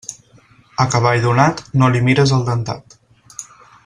A cavall donat no li mires el dentat.